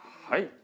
はい。